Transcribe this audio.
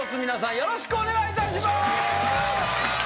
よろしくお願いします。